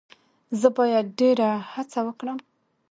زه باید ډیر هڅه وکړم.